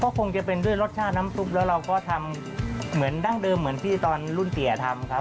ก็คงจะเป็นด้วยรสชาติน้ำซุปแล้วเราก็ทำเหมือนดั้งเดิมเหมือนที่ตอนรุ่นเตี๋ยทำครับ